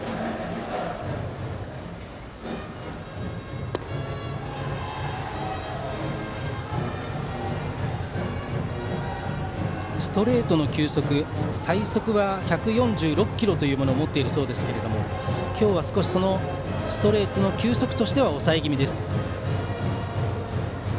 熊谷、ストレートの球速最速は１４６キロを持っているそうですが今日は少しそのストレートの球速としては抑え気味です。